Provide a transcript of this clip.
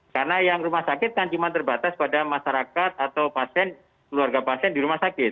karena yang rumah sakit kan cuma terbatas pada masyarakat atau pasien keluarga pasien di rumah sakit